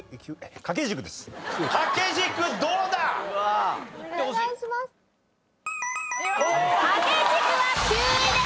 掛け軸は９位です。